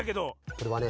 これはね